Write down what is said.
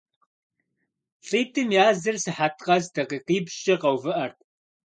ЛӀитӀым языр сыхьэт къэс дакъикъипщӀкӀэ къэувыӀэрт.